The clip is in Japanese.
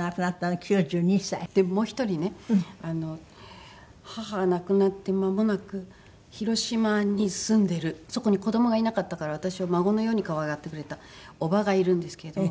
もう１人ね母が亡くなってまもなく広島に住んでるそこに子どもがいなかったから私を孫のように可愛がってくれたおばがいるんですけれども。